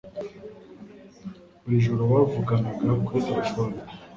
Buri joro bavuganaga kuri terefone